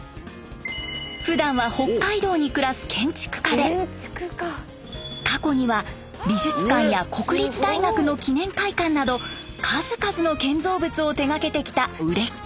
ふだんは北海道に暮らす建築家で過去には美術館や国立大学の記念会館など数々の建造物を手がけてきた売れっ子。